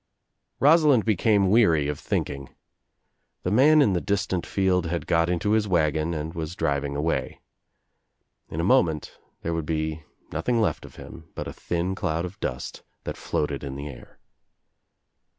Rosalind became weary of thinking. The man in the distant field had got into his wagon and was driv ing away. In a moment (here would be nothing left of him but a thin cloud of dust that floated in the air.